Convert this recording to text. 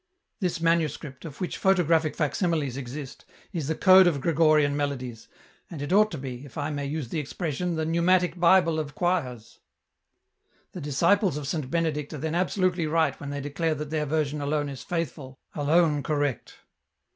" This manuscript, of which photographic facsimiles exist, is the code of Gregorian melodies, and it ought to be, if I may use the expression, the neumatic Bible of choirs. 310 EN ROUTE. " The disciples of Saint Benedict are then absolutely right when they declare that their version alone is faithfiil, alone correct."